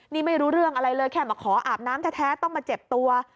นี่ไม่รู้เรื่องอะไรเลยแค่มาขออาบน้ำแท้ต้องมาเจ็บตัว